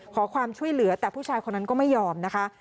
ขอความช่วยเหลือแต่ผู้ชายคนนั้นก็ไม่ยอมนะคะ